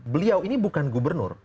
beliau ini bukan gubernur